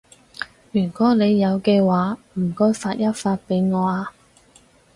如果你有嘅話，唔該發一發畀我啊